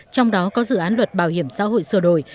trong đó có dự án luật bảo hiểm xã hội sửa đổi